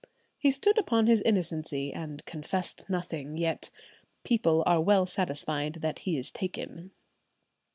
He stood upon his innocency, and confessed nothing, yet "people are well satisfied that he is taken."